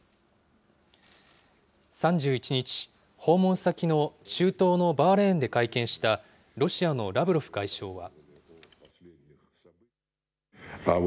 ３１日、訪問先の中東のバーレーンで会見したロシアのラブロフ外相は。